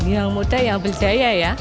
yang muda yang berjaya ya